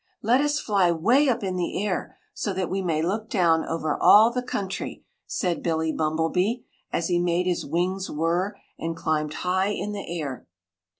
"Let us fly way up in the air so that we may look down over all the country!" said Billy Bumblebee, as he made his wings whirr and climbed high in the air.